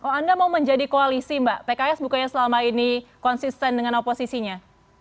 oh anda mau menjadi koalisi mbak pks bukannya selama ini konsisten dengan oposisinya